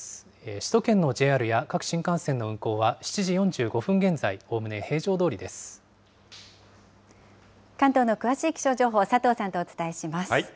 首都圏のＪＲや各新幹線の運行は７時４５分現在、おおむね平常ど関東の詳しい気象情報、佐藤さんとお伝えします。